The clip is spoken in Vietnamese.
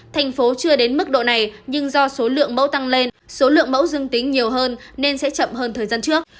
thành phố chưa đến mức độ này nhưng do số lượng mẫu tăng lên số lượng mẫu dương tính nhiều hơn nên sẽ chậm hơn thời gian trước